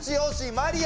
マリア！